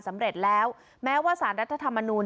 สำเร็จแล้วแม้ว่าสารรสถมนุน